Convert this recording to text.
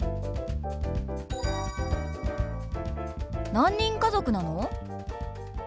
何人家族なの？